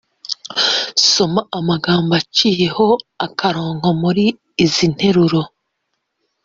soma amagambo aciyeho akarongo muri izi nteruro